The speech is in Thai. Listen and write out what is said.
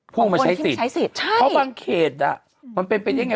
ผู้มาใช้สิทธิ์เพราะบางเขตมันเป็นเป็นอย่างไร